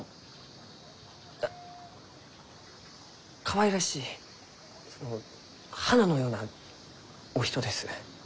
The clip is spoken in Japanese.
あかわいらしいその花のようなお人です。